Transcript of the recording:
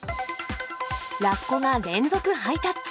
ラッコが連続ハイタッチ。